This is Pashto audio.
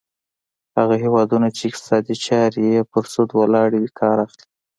هغه هیوادونه چې اقتصادي چارې یې پر سود ولاړې وي کار اخلي.